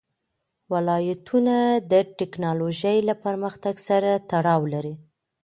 ولایتونه د تکنالوژۍ له پرمختګ سره تړاو لري.